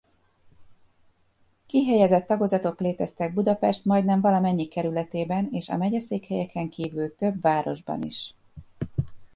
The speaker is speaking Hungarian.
Kihelyezett tagozatok léteztek Budapest majdnem valamennyi kerületében és a megyeszékhelyeken kívül több városban is.